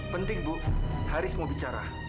penting bu haris mau bicara